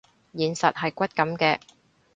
現實係骨感嘅